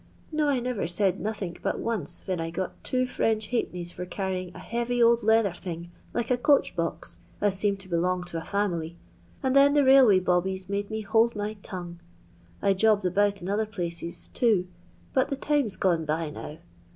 No, I never said nothink but once, ven I got two French ha'pennies for carrying a heavy old leather thing, like a coach box, as seemed to belong to a family ; and then tlie railway bobbies made me hold my tongue. I jobbed about in other places too, but the lime's gone by now.